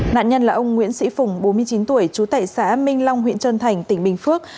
nạn nhân là ông nguyễn sĩ phùng bốn mươi chín tuổi trú tại xã minh long huyện trơn thành tỉnh bình phước